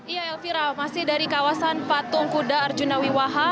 iya elvira masih dari kawasan patung kuda arjuna wiwaha